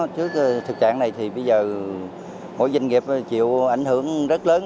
trước thực trạng này thì bây giờ mỗi doanh nghiệp chịu ảnh hưởng rất lớn